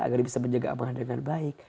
agar bisa menjaga amanah dengan baik